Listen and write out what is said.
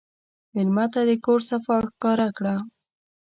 مېلمه ته د کور صفا ښکاره کړه.